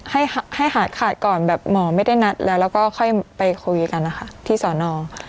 ให้ให้หายขาดก่อนแบบหมอไม่ได้นัดแล้วแล้วก็ค่อยไปคุยกันนะคะที่สอนอ